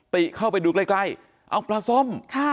ติเข้าไปดูใกล้เอาปลาส้ม